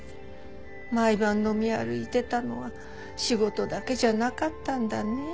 毎晩飲み歩いてたのは仕事だけじゃなかったんだねえ。